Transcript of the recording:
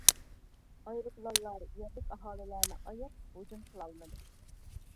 ئايروپىلانلار يەرلىك ئاھالىلەرنى ئاياپ ھۇجۇم قىلالمىدى.